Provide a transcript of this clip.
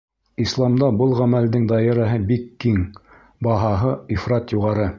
Исламда был ғәмәлдең даирәһе бик киң, баһаһы ифрат юғары.